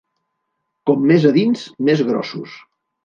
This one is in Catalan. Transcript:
Com més a dins, més grossos.